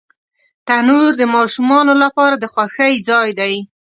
تنور د ماشومانو لپاره د خوښۍ ځای دی